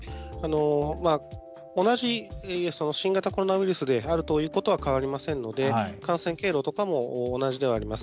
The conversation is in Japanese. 同じ新型コロナウイルスであるということは変わりませんので感染経路とかも同じではあります。